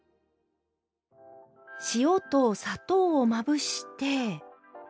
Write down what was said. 塩と砂糖をまぶして。